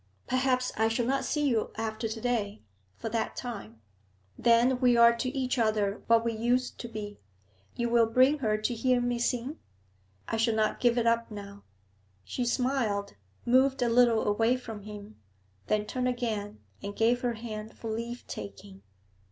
Perhaps I shall not see you after to day, for that time. Then we are to each ether what we used to be. You will bring her to hear me sing? I shall not give it up now.' She smiled, moved a little away from him, then turned again and gave her hand for leave taking.